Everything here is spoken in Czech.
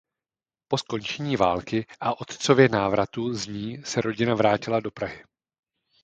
Po skončení války a otcově návratu z ní se rodina vrátila do Prahy.